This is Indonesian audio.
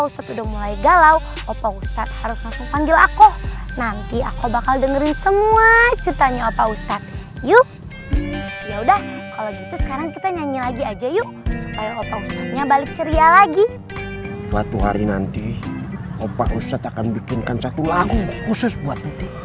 satu hari nanti opa ustad akan bikinkan satu lagu khusus buat itu